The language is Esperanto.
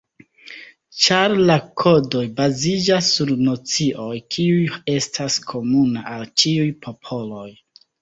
Ĉar la kodoj baziĝas sur nocioj, kiuj estas komuna al ĉiuj popoloj.